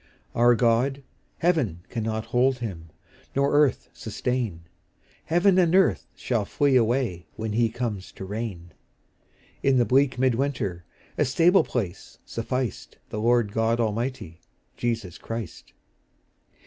Our God, heaven cannot hold Him, Nor earth sustain; Heaven and earth shall flee away When He comes to reign: In the bleak mid winter A stable place sufficed The Lord God Almighty, Jesus Christ.